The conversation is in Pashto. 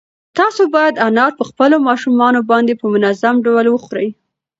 تاسو باید انار په خپلو ماشومانو باندې په منظم ډول وخورئ.